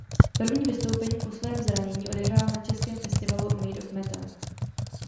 První vystoupení po svém zranění odehrál na českém festivalu Made of Metal.